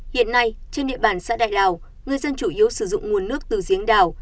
hiện nay trên địa bàn xã đại lào người dân chủ yếu sử dụng nguồn nước từ giếng đào